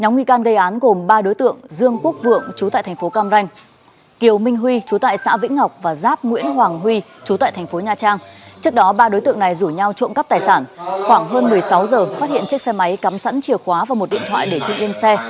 sáu giờ phát hiện chiếc xe máy cắm sẵn chìa khóa và một điện thoại để chứng yên xe